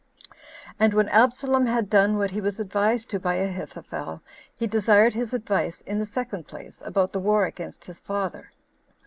6. And when Absalom had done what he was advised to by Ahithophel, he desired his advice, in the second place, about the war against his father.